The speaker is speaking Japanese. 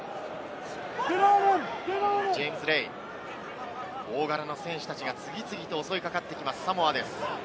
ジェームズ・レイ、大柄な選手たちが次々と襲いかかってきます、サモアです。